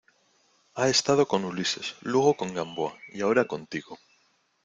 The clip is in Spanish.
ha estado con Ulises, luego con Gamboa y ahora contigo.